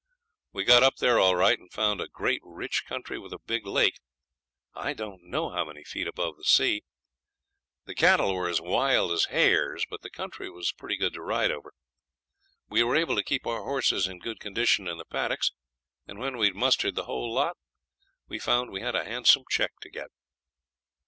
We got up there all right, and found a great rich country with a big lake, I don't know how many feet above the sea. The cattle were as wild as hares, but the country was pretty good to ride over. We were able to keep our horses in good condition in the paddocks, and when we had mustered the whole lot we found we had a handsome cheque to get.